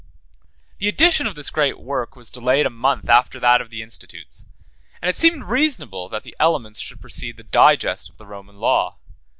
The edition of this great work was delayed a month after that of the Institutes; and it seemed reasonable that the elements should precede the digest of the Roman law.